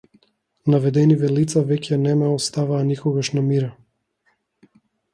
Наведениве лица веќе не ме оставаа никогаш на мира.